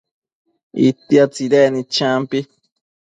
itia tsidecnid champi